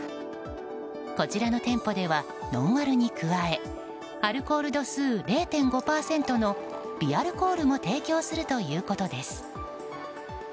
こちらの店舗ではノンアルに加えアルコール度数０．５％の微アルコールも提供するということです。